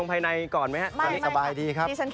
ไม่ทีฉันแค่ติดตามข่าวแล้วก็บางทีก็ลุ้นมาก